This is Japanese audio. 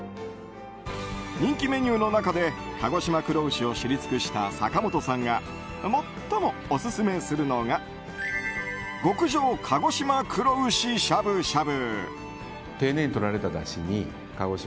人気メニューの中で鹿児島黒牛を知り尽くした坂元さんが最もオススメするのが極上鹿児島黒牛しゃぶしゃぶ。